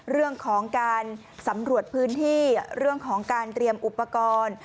เรื่องของการสำรวจพื้นที่เรื่องของการเตรียมอุปกรณ์